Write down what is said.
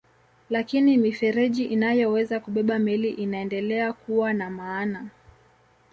Lakini mifereji inayoweza kubeba meli inaendelea kuwa na maana.